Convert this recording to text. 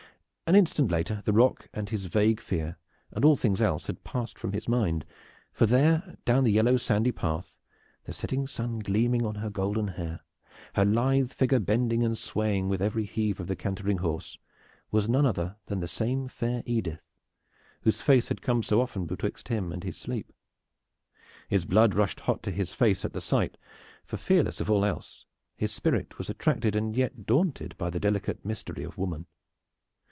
An instant later the rock and his vague fear and all things else had passed from his mind, for there, down the yellow sandy path, the setting sun gleaming on her golden hair, her lithe figure bending and swaying with every heave of the cantering horse, was none other than the same fair Edith, whose face had come so often betwixt him and his sleep. His blood rushed hot to his face at the sight, for fearless of all else, his spirit was attracted and yet daunted by the delicate mystery of woman.